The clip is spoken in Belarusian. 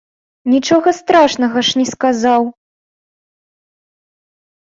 Нічога страшнага ж не сказаў!